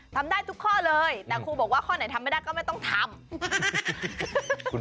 ทำได้ทุกข้อเลยแต่ครูบอกว่าข้อไหนทำไม่ได้ก็ไม่ต้องทำ